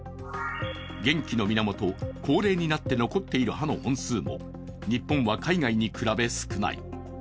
元気の源、高齢になって残っている歯の本数も日本は海外に比べ少ない。